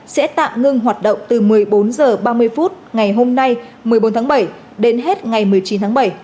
sẽ tạm ngưng hoạt động từ một mươi bốn h ba mươi phút ngày hôm nay một mươi bốn tháng bảy đến hết ngày một mươi chín tháng bảy